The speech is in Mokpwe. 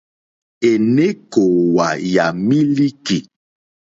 Èné kòòwà yà mílíkì.